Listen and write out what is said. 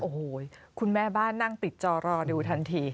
โอ้โหคุณแม่บ้านนั่งติดจอรอดูทันที